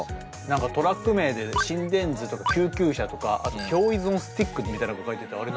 何かトラック名で心電図とか救急車とかあと共依存スティックみたいなこと書いててあれ